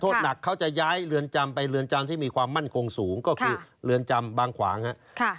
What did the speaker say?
หนักเขาจะย้ายเรือนจำไปเรือนจำที่มีความมั่นคงสูงก็คือเรือนจำบางขวางครับ